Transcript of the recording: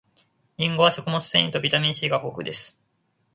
りんごは食物繊維とビタミン C が豊富です